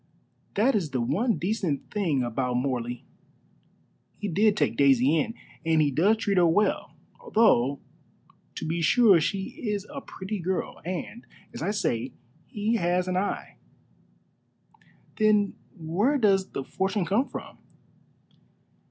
That is the one decent thing about Morley. He did take Daisy in, and he does treat her well, though to be sure she is a pretty girl, and, as I say, he has an eye." "Then where does the fortune come from?"